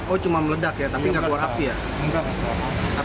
oh cuma meledak ya tapi nggak keluar api ya